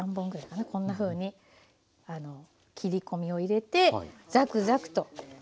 こんなふうに切り込みを入れてザクザクと。